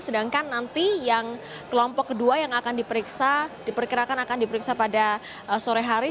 sedangkan nanti yang kelompok kedua yang akan diperiksa diperkirakan akan diperiksa pada sore hari